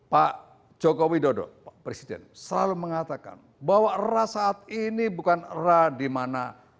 pak jokowi dodo pak presiden selalu mengatakan bahwa era saat ini bukan era di mana